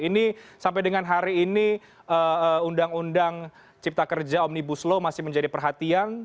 ini sampai dengan hari ini undang undang cipta kerja omnibus law masih menjadi perhatian